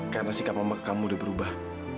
karena sikap mama ke kamu udah berubah